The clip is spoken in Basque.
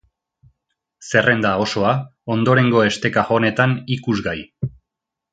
Zerrenda osoa, ondorengo esteka honetan ikusgai.